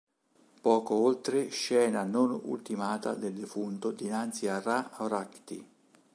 Poco oltre scena non ultimata del defunto dinanzi a Ra-Horakhti.